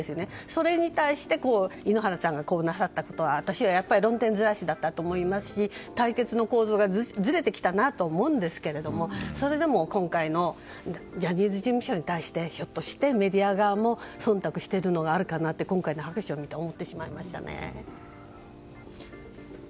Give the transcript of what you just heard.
それに対して井ノ原さんがなさったことは私は論点ずらしだったと思いますし対決の構造がずれてきたなと思うんですけれどもそれでも、今回のジャニーズ事務所に対してひょっとしてメディア側も忖度してるのがあるかなって今回の拍手を見て思ってしまいましたね。